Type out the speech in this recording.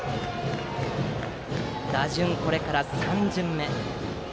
打順、これから３巡目。